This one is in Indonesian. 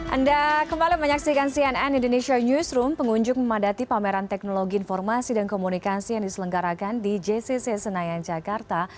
anda kembali menyaksikan cnn indonesia newsroom pengunjung memadati pameran teknologi informasi dan komunikasi yang diselenggarakan di jcc senayan jakarta